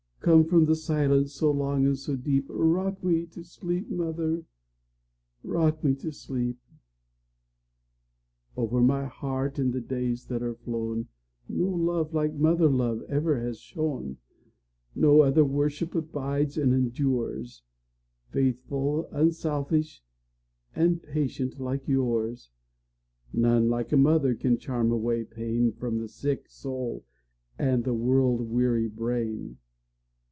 Come from the silence so long and so deep;—Rock me to sleep, mother,—rock me to sleep! Over my heart, in the days that are flown, No love like mother love ever has shone; No other worship abides and endures,—Faithful, unselfish, and patient like yours:None like a mother can charm away painFrom the sick soul and the world weary brain.